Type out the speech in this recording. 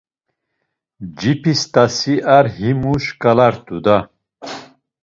Cibist̆asi ar himu şǩalart̆u da.